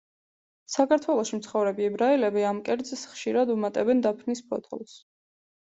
საქართველოში მცხოვრები ებრაელები ამ კერძს ხშირად უმატებენ დაფნის ფოთოლს.